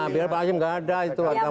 biar pak hasim gak ada itu